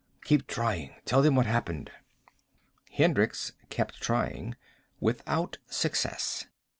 "Keep trying. Tell them what happened." Hendricks kept trying. Without success.